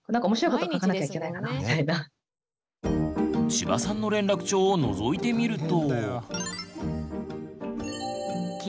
千葉さんの連絡帳をのぞいてみると。